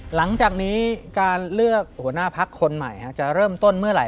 หลังจากนี้การเลือกหัวหน้าพักคนใหม่จะเริ่มต้นเมื่อไหร่